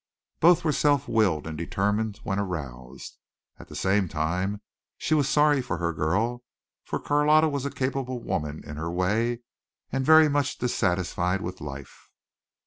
Both were self willed and determined when aroused. At the same time she was sorry for her girl, for Carlotta was a capable woman in her way and very much dissatisfied with life.